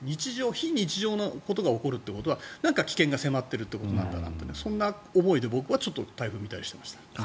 非日常なことが起きるというのはなんか危険が迫っているということなんだなとそういう思いで僕は台風を見たりしてました。